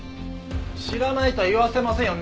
知らないとは言わせませんよ